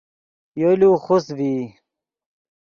یولو خوست ڤئی